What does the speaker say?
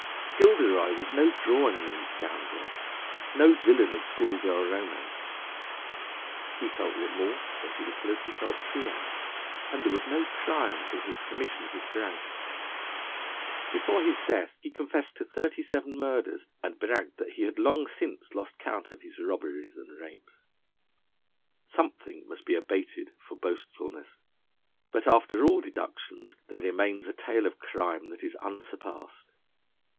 Gilderoy was no drawing room scoundrel, no villain of schoolgirl romance. He felt remorse as little as he felt fear, and there was no crime from whose commission he shrank. Before his death he confessed to thirty seven murders, and bragged that he had long since lost count of his robberies and rapes. Something must be abated for boastfulness. But after all deduction there remains a tale of crime that is unsurpassed.